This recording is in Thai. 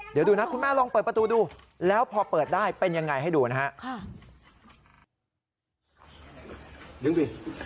เดี๋ยวดูนะคุณแม่ลองเปิดประตูดูแล้วพอเปิดได้เป็นยังไงให้ดูนะฮะ